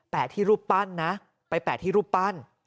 ที่รูปปั้นนะไปแปะที่รูปปั้น